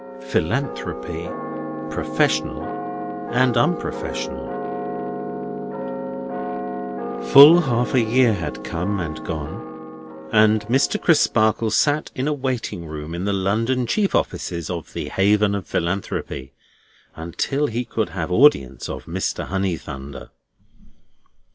PHILANTHROPY, PROFESSIONAL AND UNPROFESSIONAL Full half a year had come and gone, and Mr. Crisparkle sat in a waiting room in the London chief offices of the Haven of Philanthropy, until he could have audience of Mr. Honeythunder.